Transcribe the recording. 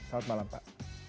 selamat malam pak